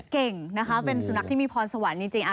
เก่งนะคะเป็นสุนัขที่มีพรสวรรค์จริง